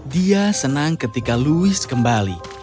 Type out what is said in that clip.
dia senang ketika louis kembali